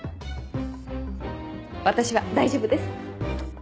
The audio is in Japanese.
私は大丈夫です！